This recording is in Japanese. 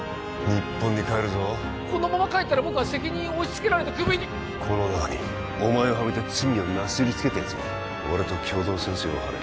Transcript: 日本に帰るぞこのまま帰ったら僕は責任を押し付けられてクビにこの中にお前をハメて罪をなすりつけたやつがいる俺と共同戦線を張れ